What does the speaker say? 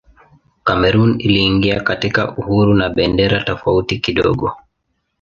Kamerun iliingia katika uhuru na bendera tofauti kidogo.